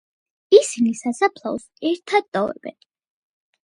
ისინი სასაფლაოს ერთად ტოვებენ.